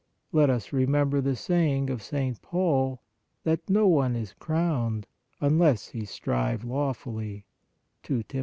Let us remember the saying of St. Paul, that " no one is crowned, unless he strive lawfully" (II Tim.